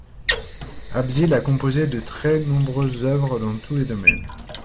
Absil a composé de très nombreuses œuvres dans tous les domaines.